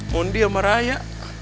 mondi sama raya